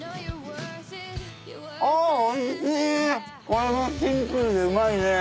これもシンプルでうまいね。